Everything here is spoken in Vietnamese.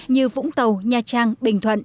như vũng tàu nha trang bình thuận